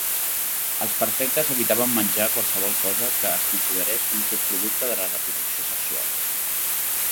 Els perfectes evitaven menjar qualsevol cosa que es considerés un subproducte de la reproducció sexual.